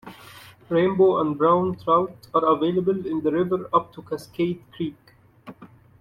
Rainbow and brown trout are available in the river up to Cascade Creek.